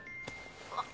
あっ。